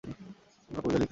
আমরা কবিতা লিখতাম না।